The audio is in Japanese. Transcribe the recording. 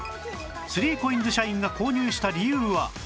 ３ＣＯＩＮＳ 社員が購入した理由は？